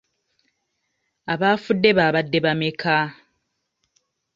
Abaafudde baabadde bameka?